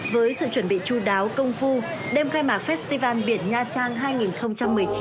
với sự chuẩn bị chú đáo công phu đêm khai mạc festival biển nha trang hai nghìn một mươi chín